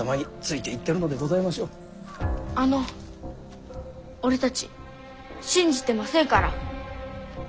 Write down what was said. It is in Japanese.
あの俺たち信じてませんから。